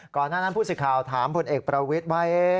ก่อนหน้านั้นผู้สื่อข่าวถามพลเอกประวิทย์ว่า